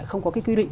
không có cái quy định